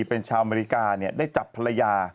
เป็นชาวอเมริกาได้จับภรรยา